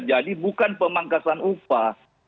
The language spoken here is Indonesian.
jadi bukan pemangkasan upah